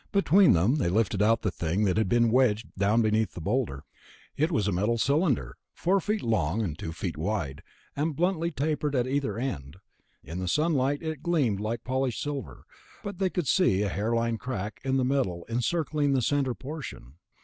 Between them they lifted out the thing that had been wedged down beneath the boulder. It was a metal cylinder, four feet long, two feet wide, and bluntly tapered at either end. In the sunlight it gleamed like polished silver, but they could see a hairline break in the metal encircling the center portion.